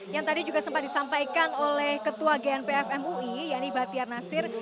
yang tadi juga sempat disampaikan oleh ketua gnpf mui yanni bahtiar nasir